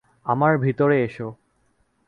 আমার ভিতরে এসো?